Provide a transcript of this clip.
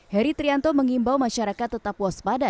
heri trianto mengimbau masyarakat tetap waspada